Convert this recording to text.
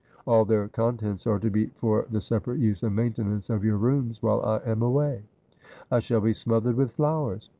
All their contents are to be for the separate use and maintenance of your rooms while I am away.' 'I shall be smothered with flowers.'